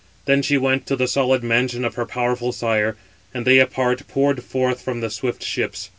Then she went to the solid mansion of her powerful sire, and they, apart, poured forth from the swift ships.